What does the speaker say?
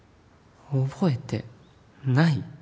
覚えてない？